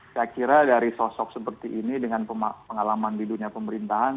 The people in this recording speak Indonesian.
saya kira dari sosok seperti ini dengan pengalaman di dunia pemerintahan